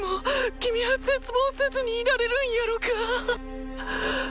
キミは絶望せずにいられるんやろか？